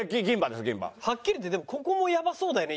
はっきり言ってでもここもやばそうだよね